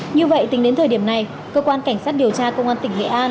như vậy tính đến thời điểm này cơ quan cảnh sát điều tra công an tỉnh nghệ an